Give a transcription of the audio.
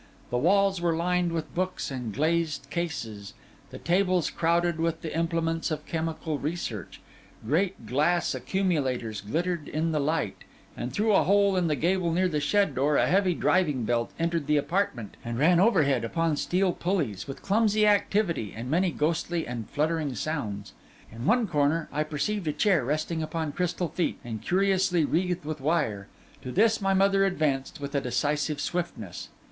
The walls were lined with books and glazed cases, the tables crowded with the implements of chemical research; great glass accumulators glittered in the light; and through a hole in the gable near the shed door, a heavy driving belt entered the apartment and ran overhead upon steel pulleys, with clumsy activity and many ghostly and fluttering sounds. In one corner I perceived a chair resting upon crystal feet, and curiously wreathed with wire. To this my mother advanced with a decisive swiftness.